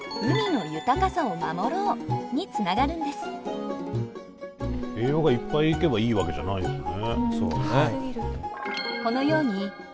そのため栄養がいっぱいいけばいいわけじゃないんですね。